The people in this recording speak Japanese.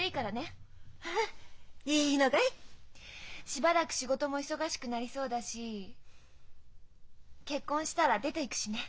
しばらく仕事も忙しくなりそうだし結婚したら出ていくしね。